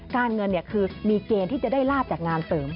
การเงินคือมีเกณฑ์ที่จะได้ลาบจากงานเสริม